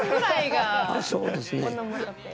そうですね。